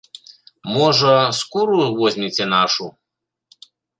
Можа, скуру возьмеце нашу?